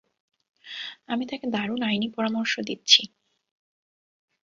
আমি তাকে দারুণ আইনি পরামর্শ দিচ্ছি।